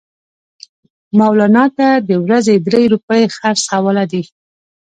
مولنا ته د ورځې درې روپۍ خرڅ حواله دي.